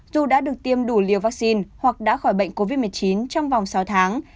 dù đã được tiêm đủ liều vaccine hoặc đã khỏi bệnh covid một mươi chín trong vòng sáu tháng